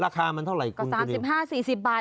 ราคามันเท่าไหร่คุณคุณิวก็สามสิบห้าสี่สิบบาท